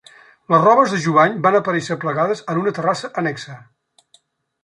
Les robes de Jubany van aparèixer plegades en una terrassa annexa.